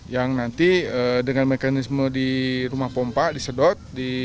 yang nanti dengan mekanisme di rumah pompa disedot